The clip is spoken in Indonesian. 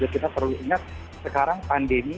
kita perlu ingat sekarang pandemi